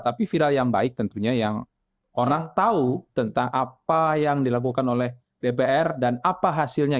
tapi viral yang baik tentunya yang orang tahu tentang apa yang dilakukan oleh dpr dan apa hasilnya